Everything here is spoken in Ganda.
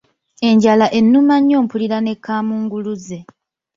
Enjala ennuma nnyo mpuliramu ne kamunguluze.